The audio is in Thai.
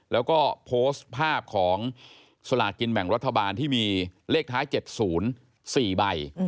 แล้วก็โพสต์ภาพของสลากินแบ่งรัฐบาลที่มีเลขท้าย๗๐๔ใบ